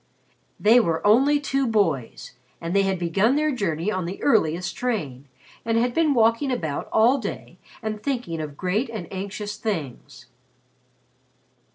They were only two boys, and they had begun their journey on the earliest train and had been walking about all day and thinking of great and anxious things.